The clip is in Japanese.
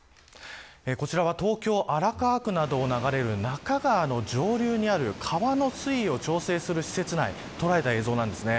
こちらは東京、荒川区などを流れる中川の上流にある川の水位を調整する施設内を捉えた映像です。